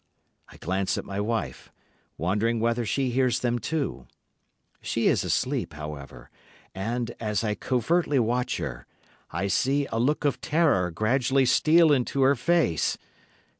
I glance at my wife, wondering whether she hears them too. She is asleep, however, and, as I covertly watch her, I see a look of terror gradually steal into her face.